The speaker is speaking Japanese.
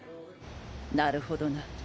なるほどな。